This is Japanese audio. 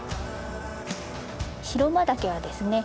白馬岳はですね